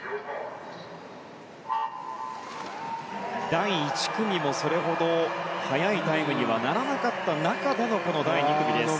第１組もそれほど速いタイムにはならなかった中でのこの第２組です。